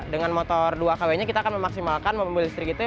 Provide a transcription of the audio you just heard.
dengan motor dua kw nya kita akan memaksimalkan mobil listrik itu